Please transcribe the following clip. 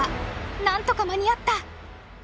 なんとか間に合った。